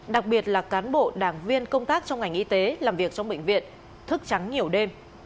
đặc biệt là cán bộ đảng viên công tác trong ngành y tế làm việc trong bệnh viện thức trắng nhiều đêm